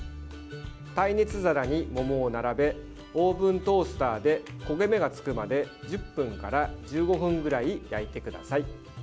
耐熱皿に桃を並べオーブントースターで焦げ目がつくまで１０分から１５分ぐらい焼いてください。